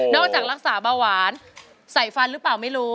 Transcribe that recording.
จากรักษาเบาหวานใส่ฟันหรือเปล่าไม่รู้